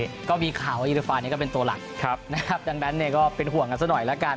อคก็มีข่าวว่าอีรฟานนี่ก็เป็นตัวหลักดังนั้นก็เป็นห่วงกันสักหน่อยละกัน